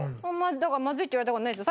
だからまずいって言われた事ないですよ。